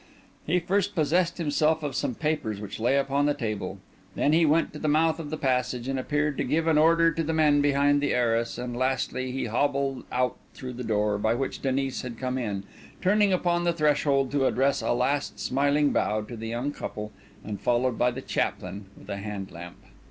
He first possessed himself of some papers which lay upon the table; then he went to the mouth of the passage and appeared to give an order to the men behind the arras; and lastly he hobbled out through the door by which Denis had come in, turning upon the threshold to address a last smiling bow to the young couple, and followed by the chaplain with a hand lamp.